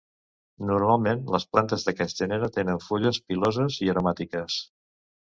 Normalment les plantes d'aquest gènere tenen fulles piloses i aromàtiques.